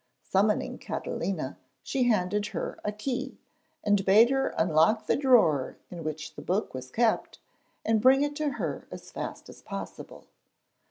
Summoning Catalina, she handed her a key, and bade her unlock the drawer in which the book was kept, and bring it to her as fast as possible.